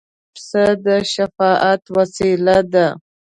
پسه د شفاعت وسیله ده.